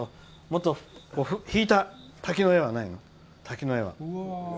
もっと引いた滝の絵はないの？